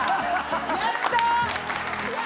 やった！